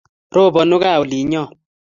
Robonu gaa olinyo